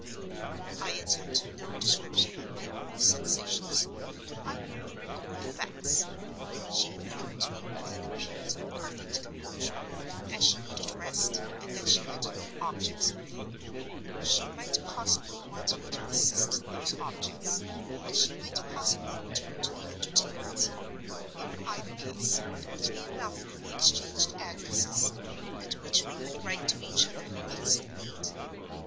I attempt no description of my own sensations: I merely record facts. She informed me, with an appearance of perfect composure, that she needed rest, and that she had "new objects in view." She might possibly want me to assist those objects; and she might possibly return to the Entertainment. In either case it would be enough if we exchanged addresses, at which we could write to each other in case of need.